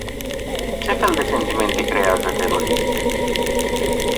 Ce fel de sentimente creează teroriștii?